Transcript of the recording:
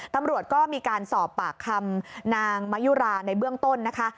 ตำรวจก็มีการสอบปากคำนางมะยุราในเบื้องต้นนะคะ